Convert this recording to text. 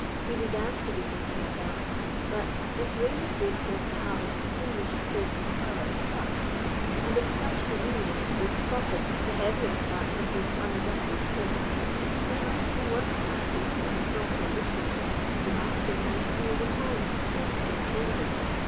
He began to bethink himself, "That if Ravenswood was to have a distinguished place of power and trust, and if such a union would sopite the heavier part of his unadjusted claims, there might be worse matches for his daughter Lucy: the Master might be reponed against the attainder.